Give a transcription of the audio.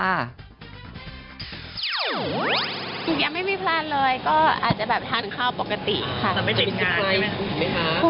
ยังไม่มีแพลนเลยก็อาจจะแบบทานข้าวปกติค่ะ